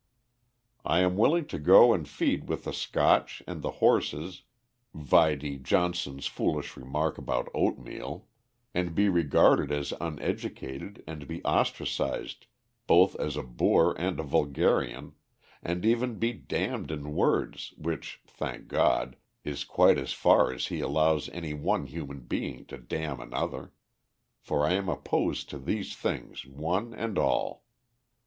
I am willing to go and feed with the Scotch and the horses (vide Johnson's foolish remark about oatmeal), and be regarded as uneducated and be ostracized both as a boor and a vulgarian, and even be damned in words, which, thank God, is quite as far as He allows any one human being to "damn" another. For I am opposed to these things one and all.